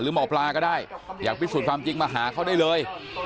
หมอปลาก็ได้อยากพิสูจน์ความจริงมาหาเขาได้เลย